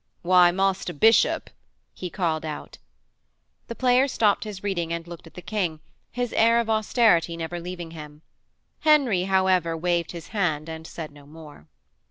'Why, Master Bishop,' he called out. The player stopped his reading and looked at the King, his air of austerity never leaving him. Henry, however, waved his hand and said no more.